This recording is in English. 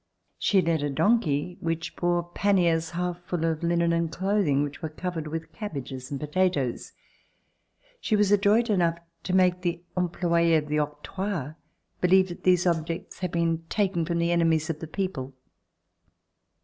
She led a donkey which bore paniers half full of linen and clothing which were covered with cabbages and potatoes. She was adroit enough to make the employes of the octroi believe that these objects had been taken from enemies of the people.